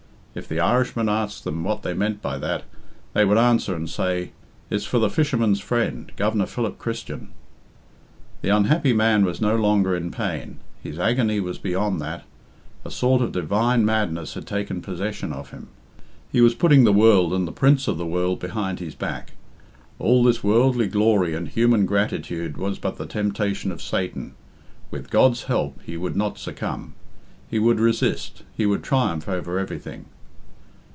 If the Irishmen asked them what they meant by that, they would answer and say, "It's for the fisherman's friend, Governor Philip Christian." The unhappy man was no longer in pain. His agony was beyond that. A sort of divine madness had taken possession of him. He was putting the world and the prince of the world behind his back. All this worldly glory and human gratitude was but the temptation of Satan. With God's help he would not succumb. He would resist. He would triumph over everything.